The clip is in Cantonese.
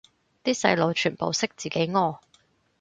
啲細路全部識自己屙